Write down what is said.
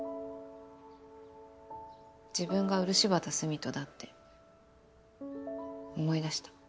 自分が漆畑澄人だって思い出した。